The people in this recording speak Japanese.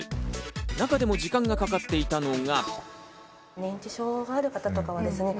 中でも時間がかかっていたのが。